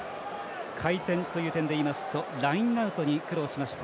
改善という点でいいますとラインアウトに苦労しました。